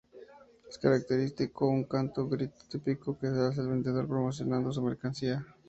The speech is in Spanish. Es característico un canto o grito típico que hace el vendedor promocionando su mercadería.